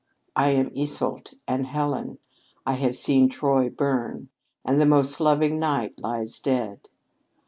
'"I am Yseult and Helen, I have seen Troy burn, and the most loving knight lies dead.